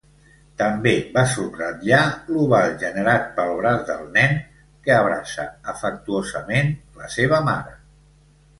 També va subratllar l'oval generat pel braç del nen, que abraça afectuosament la seva mare.